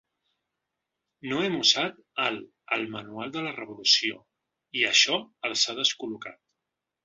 No hem usat el el “manual de la revolució” i això els ha descol·locat.